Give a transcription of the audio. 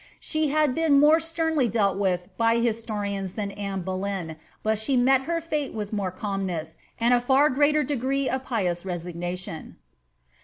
She had been more sternly dealt with by historians than Anne Boleyn, but she met her fate with more calmness, uid a far greater de^ce of pious resignation.